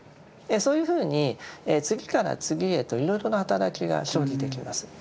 そういうふうに次から次へといろいろな働きが生じてきます。